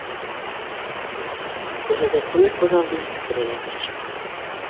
Күрәҙәсене күҙ алдына килтерергә тырышты.